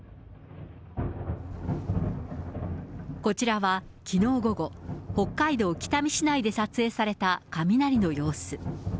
こちらはきのう午後、北海道北見市内で撮影された雷の様子。